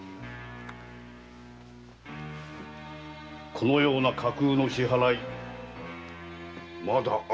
このような架空の支払いまだあるのだな。